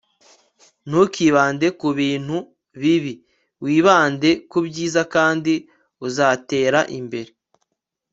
ntukibande ku bintu bibi; wibande ku byiza, kandi uzatera imbere